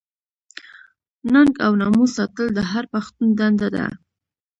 ننګ او ناموس ساتل د هر پښتون دنده ده.